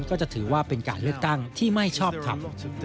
ก็จะถือว่าเป็นการเลือกตั้งที่ไม่ชอบทำ